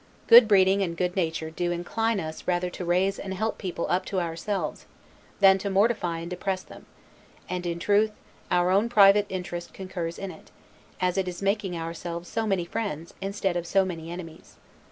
Good breeding, and good nature, do incline us rather to raise and help people up to ourselves, than to mortify and depress them, and, in truth, our own private interest concurs in it, as it is making ourselves so many friends, instead of so many enemies.